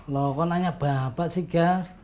loh kok nanya bapak sih gas